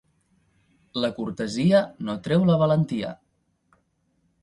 La cortesia no treu la valentia.